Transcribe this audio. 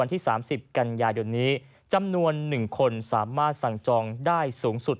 โรมทนารักษ์เปิดให้จองตั้งแต่วันพรุ่งนี้จำนวน๑คนสามารถสั่งจองได้สูงสุด